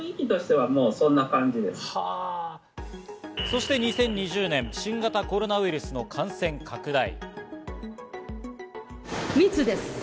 そして２０２０年、新型コロナウイルスの感染拡大。